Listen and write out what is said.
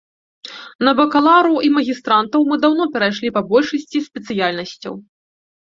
На бакалаўраў і магістрантаў мы даўно перайшлі па большасці спецыяльнасцяў.